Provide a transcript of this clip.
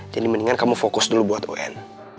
jadi mendingan kamu fokus dulu buat un